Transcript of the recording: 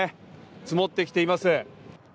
積もってきています。